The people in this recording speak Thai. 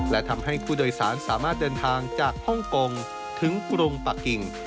และทำให้ผู้โดยสารสามารถเดินทางจากฮ่องกงถึงกรุงปะกิ่ง